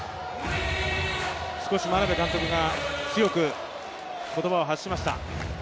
少し眞鍋監督が強く言葉を発しました。